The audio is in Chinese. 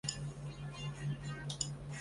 他也把她的灵魂据为己有。